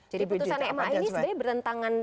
jadi putusan ema ini sebenarnya bertentangan